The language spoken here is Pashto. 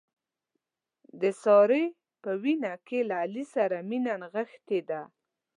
د سارې په وینه کې له علي سره مینه نغښتې ده.